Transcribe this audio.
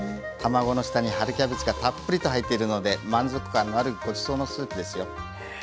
卵の下に春キャベツがたっぷりと入っているので満足感のあるごちそうのスープですよ。